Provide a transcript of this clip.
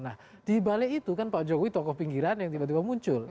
nah dibalik itu kan pak jokowi tokoh pinggiran yang tiba tiba muncul